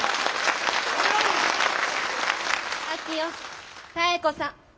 明夫妙子さん。